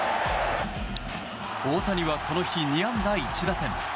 大谷はこの日２安打１打点。